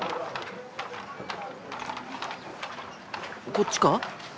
こっちか？